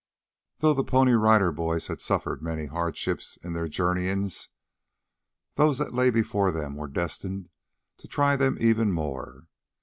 Though the Pony Rider Boys had suffered many hardships in their journeyings, those that lay before them were destined to try them even more.